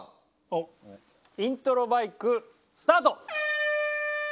イントロバイクスタート。